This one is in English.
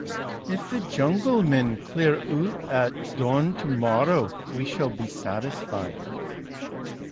If the jungle men clear out at dawn tomorrow we shall be satisfied.